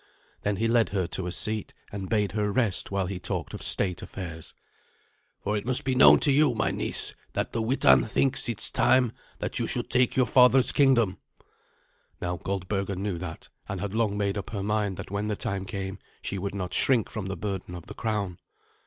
Then he led her to a seat, and bade her rest while he talked of state affairs. "For it must be known to you, my niece, that the Witan thinks it time that you should take your father's kingdom." Now Goldberga knew that, and had long made up her mind that when the time came she would not shrink from the burden of the crown.